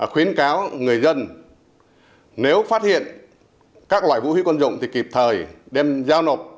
khuyến cáo người dân nếu phát hiện các loại vũ khí quân dụng thì kịp thời đem giao nộp